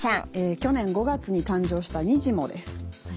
去年５月に誕生したにじモです。